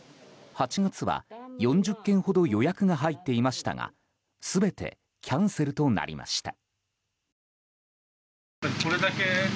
８月は４０件ほど予約が入っていましたが全てキャンセルとなりました。